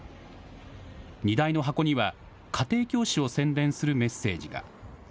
荷台の箱には家庭教師を宣伝するメッセージが。